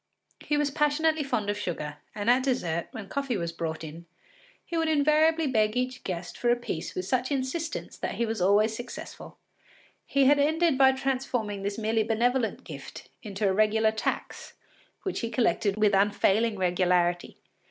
He was passionately fond of sugar, and at dessert, when coffee was brought in, he would invariably beg each guest for a piece with such insistence that he was always successful. He had ended by transforming this merely benevolent gift into a regular tax which he collected with unfailing regularity.